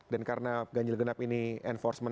dan karena danjil genap ini enforcement